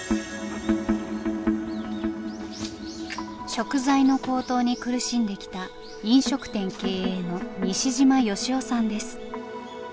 食材の高騰に苦しんできた飲食店経営の西嶋芳生さんです。